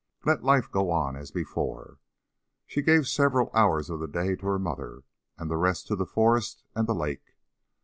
Let life go on as before. She gave several hours of the day to her mother, the rest to the forest and the lake.